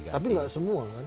tapi tidak semua kan